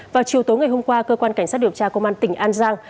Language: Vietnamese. vào chiều tối ngày hôm qua cơ quan cảnh sát điều tra công an tỉnh an giang